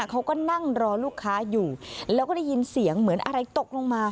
เขาก็นั่งรอลูกค้าอยู่แล้วก็ได้ยินเสียงเหมือนอะไรตกลงมา